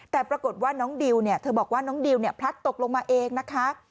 แต่ปรากฏว่าน้องดิวเนี่ยเธอบอกว่าน้องดิวพลัดตกลงมาเองนะคะ